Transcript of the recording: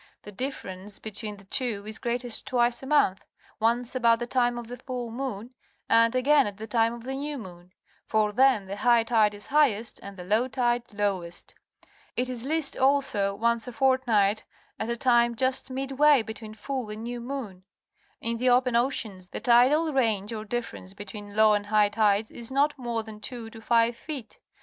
The differ ence between the two is greatest twice a month — once, about the time of the full moon, and again at the time of the new moon, for then the high tide is highest and the low tide lowest. It is least, also, once a fortnight, at a time just midway between full and new moon. In the open oceans, the tidal range, or difference between low and high tide, is not more than two to five feet.